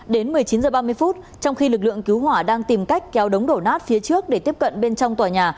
đến một mươi chín h ba mươi trong khi lực lượng cứu hỏa đang tìm cách kéo đống đổ nát phía trước để tiếp cận bên trong tòa nhà